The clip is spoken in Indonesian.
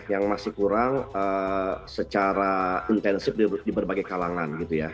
yang masih kurang secara intensif di berbagai kalangan gitu ya